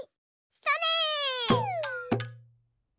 それ！